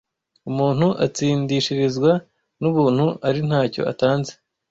Umuntu atsindishirizwa « n’ubuntu ari ntacyo atanze